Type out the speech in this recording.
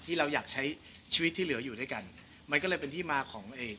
ที่เราอยากใช้ชีวิตที่เหลืออยู่ด้วยกันมันก็เลยเป็นที่มาของไอ้